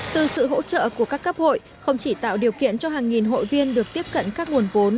từ sự hỗ trợ của các cấp hội không chỉ tạo điều kiện cho hàng nghìn hội viên được tiếp cận các nguồn vốn